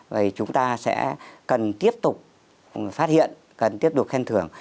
vậy chúng ta sẽ cần tiếp tục phát hiện cần tiếp tục khen thưởng